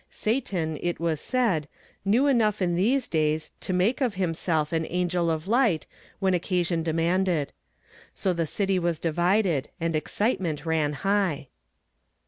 Satan, it was said, knew enough in these days to make of himself an " angel of light " when occa sion demanded. So the city was divided, and excitement ran hiofh.